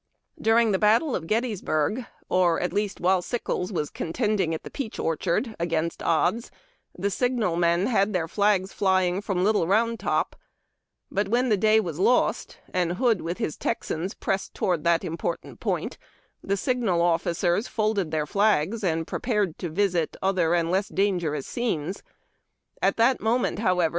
During the battle of Gettysburg, or, at least, while Sickles was contending at the Peach Orchard against odds, the signal men had their flags flying from Little Round Top ; but when the day was lost, and Hood with his Texans pressed towards that important })oint, the signal officers folded their flags, and prepared to visit other and less* dan gerous scenes. At that moment,' however.